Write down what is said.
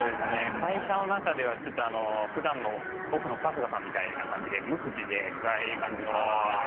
会社の中ではちょっとあの普段のオフの春日さんみたいな感じで無口で暗い感じのヤツですね。